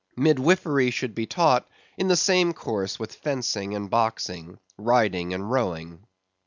Midwifery should be taught in the same course with fencing and boxing, riding and rowing.